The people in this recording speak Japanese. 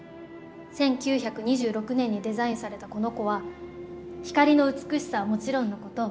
１９２６年にデザインされたこの子は光の美しさはもちろんのこと